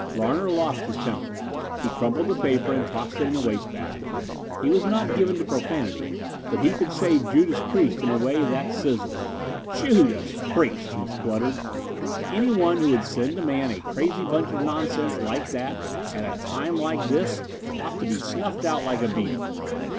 Larner lost his temper. He crumpled the paper and tossed it in the waste basket. He was not given to profanity, but he could say "Judas Priest" in a way that sizzled. "Judas Priest!" he spluttered. "Anyone who would send a man a crazy bunch of nonsense like that, at a time like this, ought to be snuffed out like a beetle!